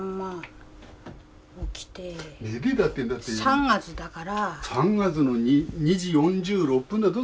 ３月だから。